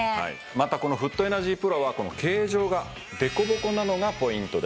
またこのフットエナジープロは形状が凸凹なのがポイントです。